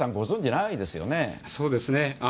そうですよね。